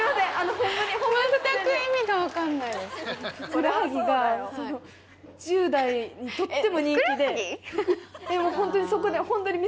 ふくらはぎが１０代にとっても人気で。